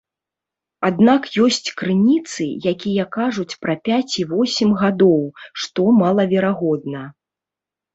Аднак ёсць крыніцы, якія кажуць пра пяць і восем гадоў, што малаверагодна.